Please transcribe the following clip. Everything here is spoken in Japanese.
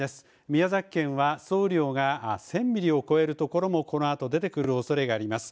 宮崎県は総雨量が１０００ミリを超える所もこのあと出てくるおそれがあります。